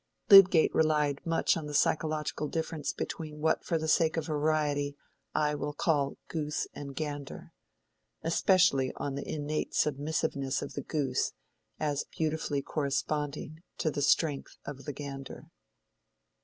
Lydgate relied much on the psychological difference between what for the sake of variety I will call goose and gander: especially on the innate submissiveness of the goose as beautifully corresponding to the strength of the gander.